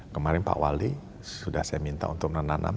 kemarin pak wali sudah saya minta untuk menanam